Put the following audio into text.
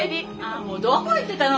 あもうどこ行ってたの？